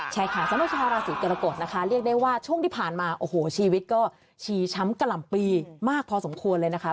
ใช่ค่ะสำหรับชาวราศีกรกฎนะคะเรียกได้ว่าช่วงที่ผ่านมาโอ้โหชีวิตก็ชีช้ำกล่ำปีมากพอสมควรเลยนะคะ